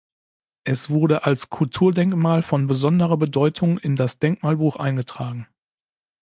Es wurde als „Kulturdenkmal von besonderer Bedeutung“ in das Denkmalbuch eingetragen.